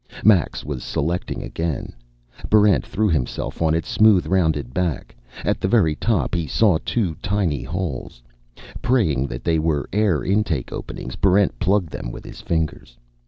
Max was selecting again. Barrent threw himself on its smooth, rounded back. At the very top he saw two tiny holes. Praying that they were air intake openings, Barrent plugged them with his fingers.